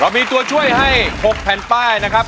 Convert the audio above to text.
มีตัวช่วยให้๖แผ่นป้ายนะครับ